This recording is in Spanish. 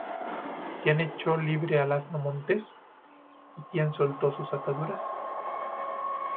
¿Quién echó libre al asno montés, y quién soltó sus ataduras?